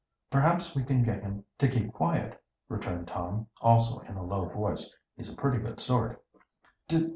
"Perhaps we can get him to keep quiet," returned Tom, also in a low voice. "He's a pretty good sort."